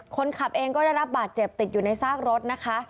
คนขับเองก็ได้รับบาดเจ็บติดอยู่ในซากรถนะคะ